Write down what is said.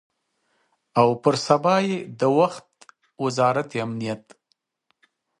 او پر سبا یې د وخت وزارت امنیت